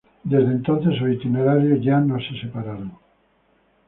Desde entonces, sus itinerarios ya no se separaron.